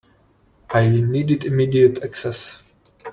I needed immediate access.